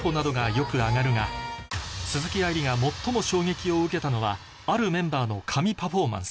よく挙がるが鈴木愛理が最も衝撃を受けたのはあるメンバーの神パフォーマンス